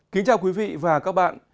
kính chào quý vị và các bạn